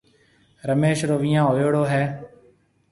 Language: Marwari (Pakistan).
رميش رو ويهان هوئيوڙو هيَ۔